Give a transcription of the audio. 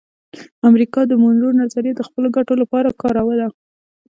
امریکا د مونرو نظریه د خپلو ګټو لپاره کاروله